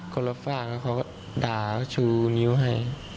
คนรถฝ้าเขาก็ด่าชูนิ้วให้